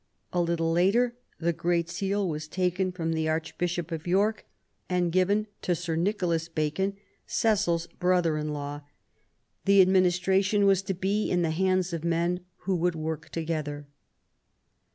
A little later, the great seal was taken from the Archbishop of York and given to Sir Nicholas Bacon, Cecil's brother in law. The administration was to be in the hands of men who would work together.